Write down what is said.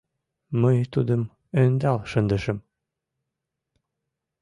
Мый тудым ӧндал шындышым.